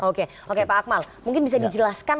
oke oke pak akmal mungkin bisa dijelaskan